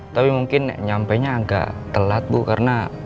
tapi mungkin nyampenya agak telat bu karena